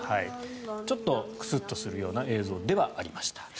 ちょっとクスッとするような映像ではありました。